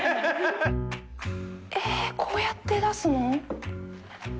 え、こうやって出すの？